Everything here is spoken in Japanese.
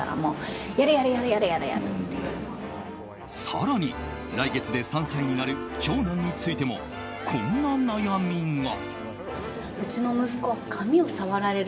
更に、来月で３歳になる長男についても、こんな悩みが。